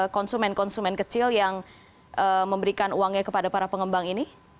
konsumen konsumen kecil yang memberikan uangnya kepada para pengembang ini